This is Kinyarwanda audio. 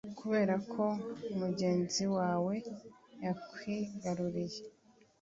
kubera ko mugenzi wawe yakwigaruriye